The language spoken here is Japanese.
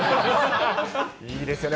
いいですよね。